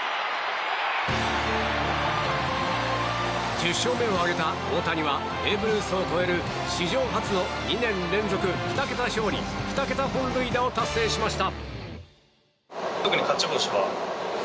１０勝目を挙げた大谷はベーブ・ルースを超える史上初の２年連続２桁勝利２桁本塁打を達成しました。